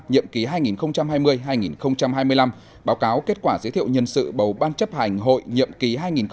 nhiệm ký hai nghìn hai mươi hai nghìn hai mươi năm báo cáo kết quả giới thiệu nhân sự bầu ban chấp hành hội nhiệm ký hai nghìn hai mươi hai nghìn hai mươi năm